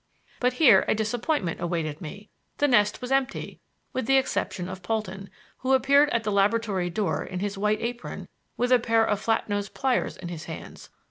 But here a disappointment awaited me. The nest was empty with the exception of Polton, who appeared at the laboratory door in his white apron, with a pair of flat nosed pliers in his hands.